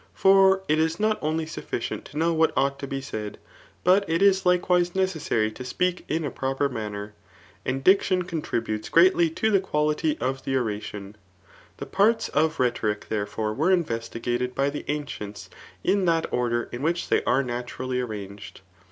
For it is not only sufficient to know what ought to be said, but it is hkewise necessary to (q)eak in a proper manner. And diction contributes greatly to the quaUty of the oration. The parts of rlie^ tone, therefore, were investigated [by the ancients^ in that order in which they are naturally arranged.